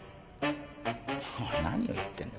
何を言ってんだ